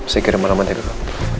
saya kirim alamatnya dulu